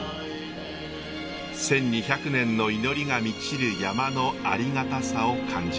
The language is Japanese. １，２００年の祈りが満ちる山のありがたさを感じられます。